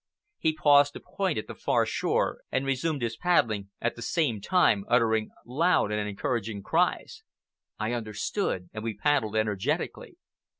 He paused to point at the far shore, and resumed his paddling, at the same time uttering loud and encouraging cries. I understood, and we paddled energetically.